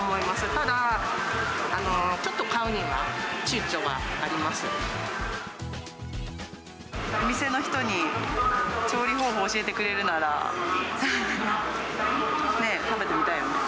ただ、ちょっと買うにはちゅうちお店の人に、調理方法教えてくれるならね、食べてみたいよね。